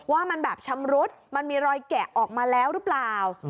ว่ามันแบบชำรุดมันมีรอยแกะออกมาแล้วหรือเปล่า